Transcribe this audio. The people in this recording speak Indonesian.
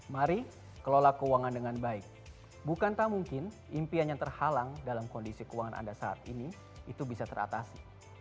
mari kelola keuangan dengan baik bukan tak mungkin impian yang terhalang dalam kondisi keuangan anda saat ini itu bisa teratasi